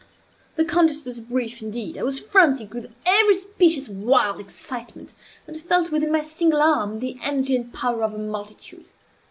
The contest was brief indeed. I was frantic with every species of wild excitement, and felt within my single arm the energy and power of a multitude.